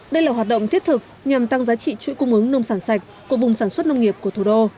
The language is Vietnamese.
đây là hoạt động thiết thực nhằm tăng giá trị chuỗi cung ứng nông sản sạch của vùng sản xuất nông nghiệp của thủ đô